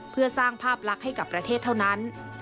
เพื่อสร้างภาพลักษณ์ให้กับประเทศเท่านั้น